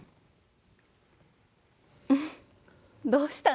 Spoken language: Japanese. どうしたの？